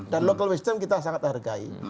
local wisdom kita sangat hargai